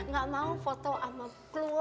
gak mau foto sama keluarga